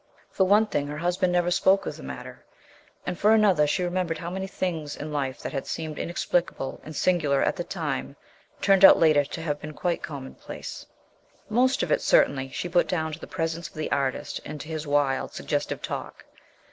For one thing her husband never spoke of the matter, and for another she remembered how many things in life that had seemed inexplicable and singular at the time turned out later to have been quite commonplace. Most of it, certainly, she put down to the presence of the artist and to his wild, suggestive talk.